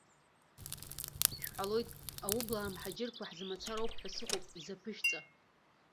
Шәҳәалоит, аублаа мҳаџьырқәа ҳзы мацара ауп ҳәа сыҟоуп изаԥышәҵа!